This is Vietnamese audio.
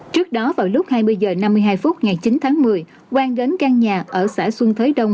trước đó vào lúc hai mươi h năm mươi hai phút ngày chín tháng một mươi quang đến căn nhà ở xã xuân thới đông